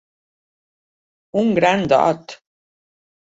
Un gran dot!